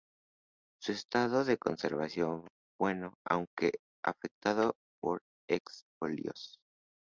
Su estado de conservación bueno aunque afectado por expolios.